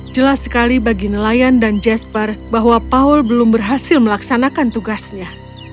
jelas sekali bagi nelayan dan jasper bahwa paul belum berhasil melaksanakan tugasnya